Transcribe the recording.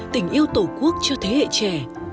tình yêu tổ quốc cho thế hệ trẻ